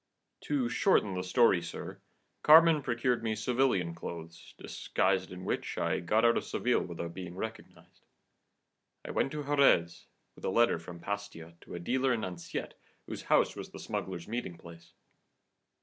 "To shorten the story, sir, Carmen procured me civilian clothes, disguised in which I got out of Seville without being recognised. I went to Jerez, with a letter from Pastia to a dealer in anisette whose house was the smugglers' meeting place.